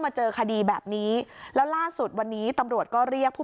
เจอคดีแบบนี้แล้วล่าสุดวันนี้ตำรวจก็เรียกผู้